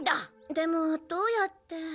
でもどうやって。